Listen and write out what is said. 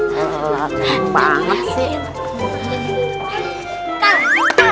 telat banget sih